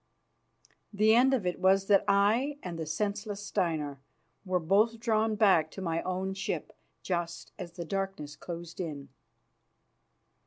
The end of it was that I and the senseless Steinar were both drawn back to my own ship just as the darkness closed in.